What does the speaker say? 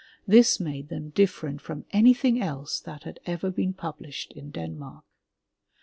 This made them different from anything else that had ever been published in Denmark.